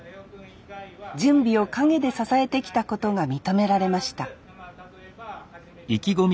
準備を陰で支えてきたことが認められました